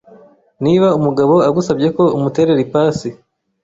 niba umugabo agusabye ko umuterera ipasi